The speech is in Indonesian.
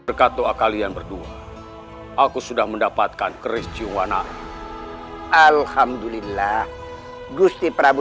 berkat doa kalian berdua aku sudah mendapatkan keistiwana alhamdulillah gusti prabu